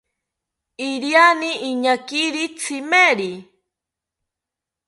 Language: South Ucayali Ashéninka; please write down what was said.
Iriani iñakiri tzimeri